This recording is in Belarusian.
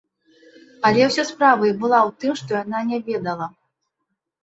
Але ўся справа і была ў тым, што яна не ведала.